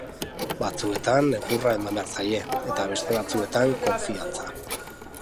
Batzuetan egurra eman behar zaie, eta beste batzuetan konfiantza.